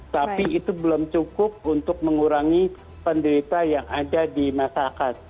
tapi itu belum cukup untuk mengurangi penderita yang ada di masyarakat